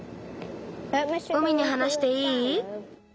海にはなしていい？